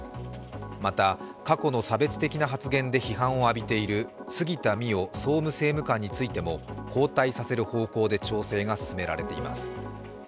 また過去の差別的な発言で批判を浴びている杉田水脈総務政務官についても交代させる方向で調整が進められています。